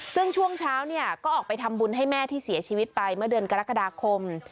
ซึ่งช่วงเช้าเนี่ยก็ออกไปทำบุญให้แม่ที่เสียชีวิตไปเมื่อเดือนกรกฎาคม